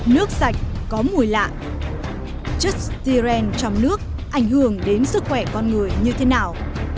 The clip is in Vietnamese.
nước sạch có mùi lạ chất styrene trong nước ảnh hưởng đến sức khỏe con người như thế nào